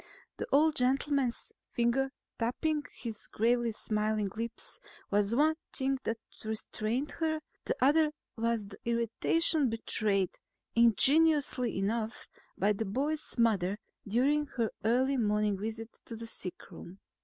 The old gentleman's finger tapping his gravely smiling lips was one thing that restrained her; the other was the irritation betrayed, ingenuously enough, by the boy's mother during her early morning visit to the sickroom.